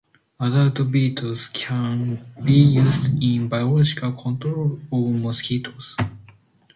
Adult beetles can be used in biological control of mosquitoes.